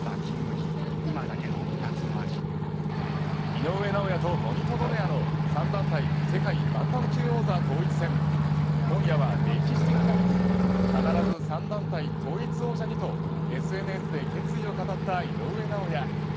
井上尚弥とノニト・ドネアの３団体世界バンタム級王者統一戦今夜は歴史的な日に必ず３団体統一王者にとＳＮＳで決意を語った井上尚弥。